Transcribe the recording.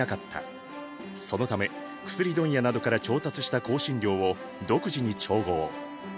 そのため薬問屋などから調達した香辛料を独自に調合。